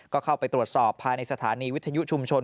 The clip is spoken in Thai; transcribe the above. ก็เข้าไปตรวจสอบภายในสถานีวิทยุชุมชน